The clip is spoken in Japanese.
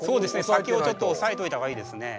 先をちょっと押さえておいた方がいいですね。